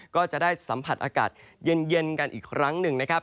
ก็จะได้สัมผัสอากาศเย็นกันอีกครั้งหนึ่งนะครับ